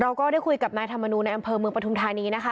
เราก็ได้คุยกับแม่ธรรมนุในอัมเภอเมืองประธุมธานีนะคะ